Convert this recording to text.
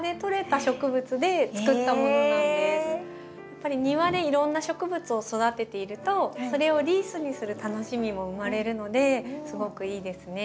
やっぱり庭でいろんな植物を育てているとそれをリースにする楽しみも生まれるのですごくいいですね。